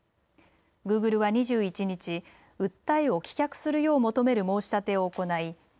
グーグルは２１日、訴えを棄却するよう求める申し立てを行い